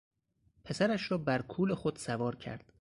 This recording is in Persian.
پسرش را بر کول خود سوار کرد.